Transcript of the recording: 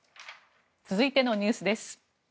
続いてのニュースです。